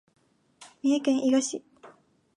三重県伊賀市